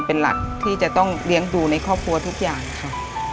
เป็นหลักที่จะต้องเลี้ยงดูในครอบครัวทุกอย่างค่ะ